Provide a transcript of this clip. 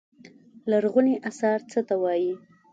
لرغوني اثار څه ته وايي.